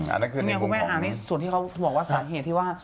อันนี้คุณแม่อ่านในส่วนที่เขาบอกว่าสาเหตุที่ว่า